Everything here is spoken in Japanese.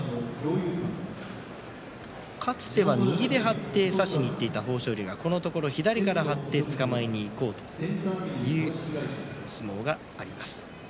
かつては右で張って差しにいっていた豊昇龍がこのところを左から張ってつかまえにいこうという相撲があります。